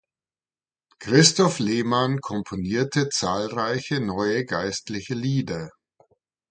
Christoph Lehmann komponierte zahlreiche Neue Geistliche Lieder.